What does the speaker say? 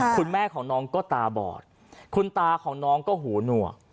คุณแม่ของน้องก็ตาบอดคุณตาของน้องก็หูหนวก